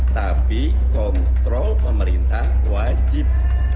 tapi kontrol pemerintah wajib